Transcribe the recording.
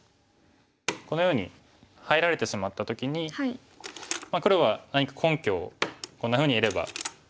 このように入られてしまった時に黒は何か根拠をこんなふうにいれば